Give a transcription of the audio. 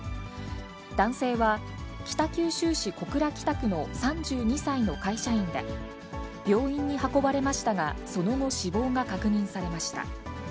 男性は北九州市小倉北区の３２歳の会社員で、病院に運ばれましたが、その後、死亡が確認されました。